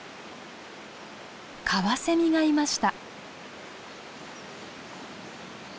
カワセミがいました。